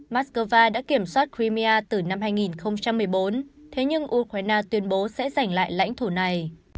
mắc cơ va đã kiểm soát crimea từ năm hai nghìn một mươi bốn thế nhưng ukraine tuyên bố sẽ giành lại lãnh thổ này